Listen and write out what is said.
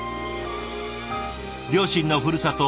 両親のふるさと